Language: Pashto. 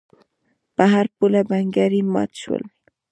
په هر پوله بنګړي مات شول.